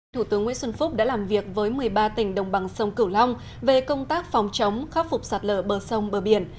thủ tướng nguyễn xuân phúc đã làm việc với một mươi ba tỉnh đồng bằng sông cửu long về công tác phòng chống khắc phục sạt lở bờ sông bờ biển